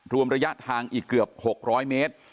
รวมระยะทางอีกเกือบ๖๐๐เมตร